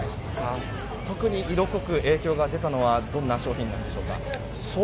特に色濃く影響が出たのはどんな商品なんでしょうか。